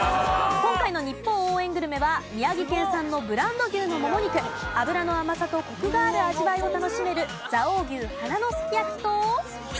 今回の日本応援グルメは宮城県産のブランド牛のもも肉脂の甘さとコクがある味わいを楽しめる蔵王牛花のすき焼きと。